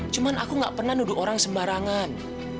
cuman aku gak pernah nuduh orang sembarangan